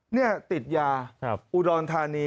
นี่ติดยาอุดรธานี